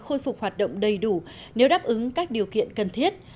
khôi phục hoạt động đầy đủ nếu đáp ứng các điều kiện cần thiết